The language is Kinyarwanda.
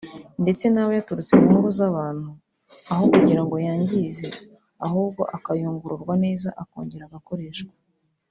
ndetse naba yaturutse mu ngo z’abantu aho kugira ngo yangize ahubwo akayungururwa neza akongera agakoreshwa